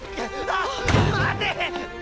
あっ待て！